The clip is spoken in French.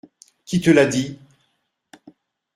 Qui te l’a dit ?